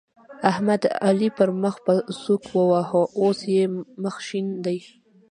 احمد؛ علي پر مخ په سوک وواهه ـ اوس يې مخ شين دی.